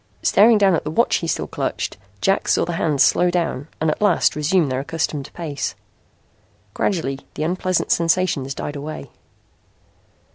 Staring down at the watch he still clutched, Jack saw the hands slow down and at last resume their accustomed pace. Gradually the unpleasant sensations died away.